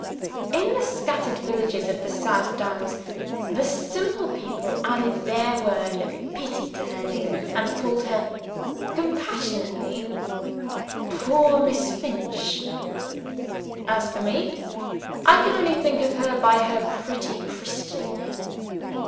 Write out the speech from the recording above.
In the scattered villages of the South Downs, the simple people added their word of pity to her name, and called her compassionately "Poor Miss Finch." As for me, I can only think of her by her pretty Christian name.